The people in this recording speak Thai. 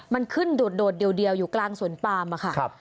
มันขึ้นโดดเดียวอยู่กลางสวนปามค่ะ